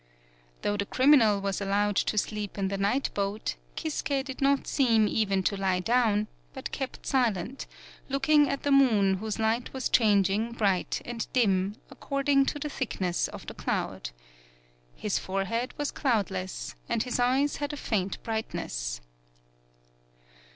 Though the criminal was allowed to sleep in the night boat, Kisuke did not seem even to lie down, but kept silent, looking at the moon whose light was changing bright and dim, according to the thickness of the cloud. His fore head was cloudless, and his eyes had a faint brightness.